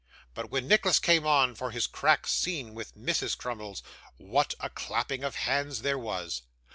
But when Nicholas came on for his crack scene with Mrs. Crummles, what a clapping of hands there was!